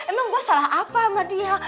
emang gue salah apa sama dia